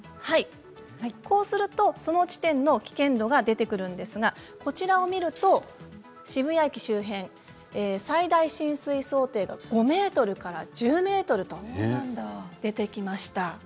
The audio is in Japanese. そうすると、この地点の危険度が出てくるんですが見てみると渋谷駅周辺最大浸水想定が５ｍから１０ｍと出てきました。